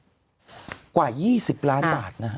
คุณหนุ่มกัญชัยได้เล่าใหญ่ใจความไปสักส่วนใหญ่แล้ว